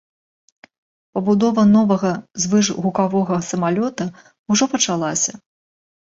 Пабудова новага звышгукавога самалёта ўжо пачалася.